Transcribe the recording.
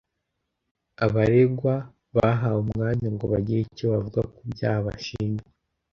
Abaregwa bahawe umwanya ngo bagire icyo bavuga ku byaha bashinjwa